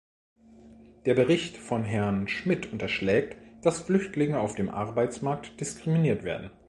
Der Bericht von Herrn Schmitt unterschlägt, dass Flüchtlinge auf dem Arbeitsmarkt diskriminiert werden.